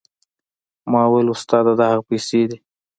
ما وويل استاده دا هغه پيسې دي.